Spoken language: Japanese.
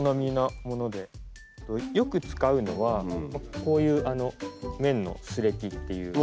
よく使うのはこういう綿のスレキっていう。